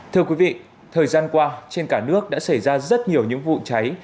thưa quý vị thời gian qua trên cả nước đã xảy ra rất nhiều những vụ cháy